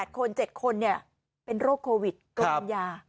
๑๘คน๗คนเนี่ยเป็นโรคโควิดกรณญา